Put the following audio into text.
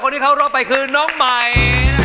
คนที่เขารอไปน้องใหม่